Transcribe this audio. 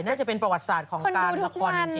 น่าจะเป็นประวัติศาสตร์ของการละครจริง